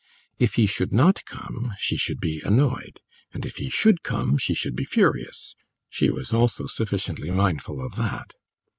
If he should not come she should be annoyed, and if he should come she should be furious; she was also sufficiently mindful of that.